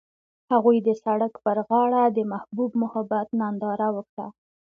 هغوی د سړک پر غاړه د محبوب محبت ننداره وکړه.